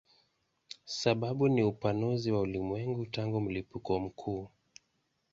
Sababu ni upanuzi wa ulimwengu tangu mlipuko mkuu.